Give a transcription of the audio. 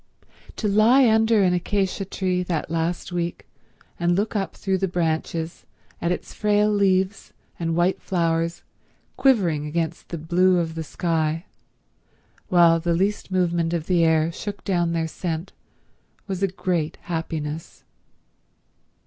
To lie under an acacia tree that last week and look up through the branches at its frail leaves and white flowers quivering against the blue of the sky, while the least movement of the air shook down their scent, was a great happiness.